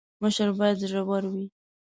مشر باید زړه ور وي